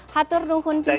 hatur nuhun pisan